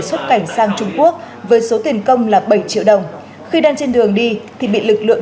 xuất cảnh sang trung quốc với số tiền công là bảy triệu đồng khi đang trên đường đi thì bị lực lượng